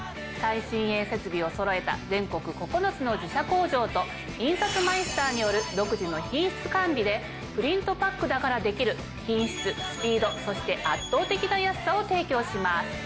最新鋭設備をそろえた全国９つの自社工場と印刷マイスターによる独自の品質管理でプリントパックだからできる品質スピードそして圧倒的な安さを提供します。